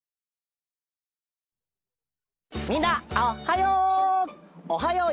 みんなおっはよう！